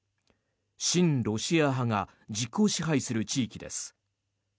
親ロシア派が実効支配する地域です。